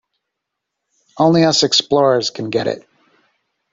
Only us explorers can get it.